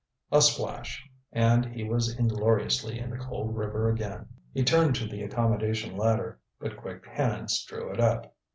A splash, and he was ingloriously in the cold river again. He turned to the accommodation ladder, but quick hands drew it up.